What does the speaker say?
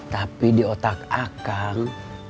tapi di otak akang